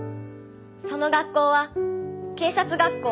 「その学校は警察学校」